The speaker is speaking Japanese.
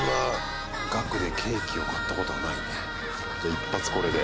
一発これで。